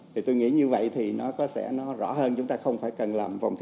thì tôi nghĩ như vậy thì nó có sẽ nó rõ hơn chúng ta không phải cần làm vòng thi